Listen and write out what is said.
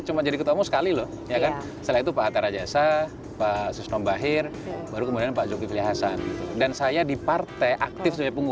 cuma jadi ketua umum sekali loh setelah itu pak atta rajasa pak susno mbahir baru kemudian pak jogi filih hasan dan saya di partai aktif sebagai pembunuhnya